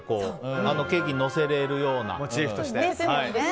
ケーキにのせられるような。